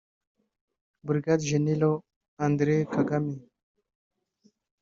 Brig Gen Andrew Kagame